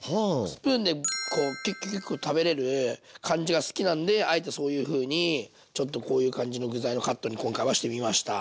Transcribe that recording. スプーンでこうキュッキュキュッキュ食べれる感じが好きなんであえてそういうふうにちょっとこういう感じの具材のカットに今回はしてみました。